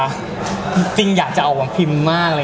จริงอยากจะเอาภาคภิมภ์มาก